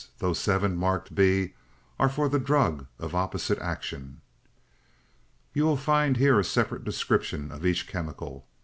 Those seven marked B are for the drug of opposite action. "'You will find here a separate description of each chemical.